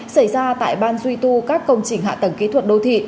xảy ra tại ban duy tu các công trình hạ tầng kỹ thuật đô thị